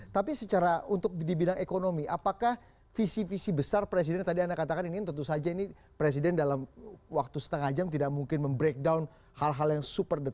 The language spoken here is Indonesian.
tapi secara untuk di bidang ekonomi apakah visi visi besar presiden tadi anda katakan ini tentu saja ini presiden dalam waktu setengah jam tidak mungkin mem breakdown hal hal yang super